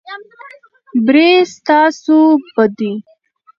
بری ستاسو په دی.